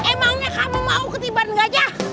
emangnya kamu mau ketiban gajah